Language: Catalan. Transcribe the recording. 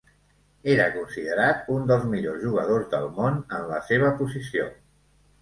Era considerat un dels millors jugadors del món en la seva posició.